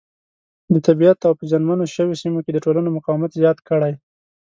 د طبیعیت او په زیان منو شویو سیمو کې د ټولنو مقاومت زیات کړي.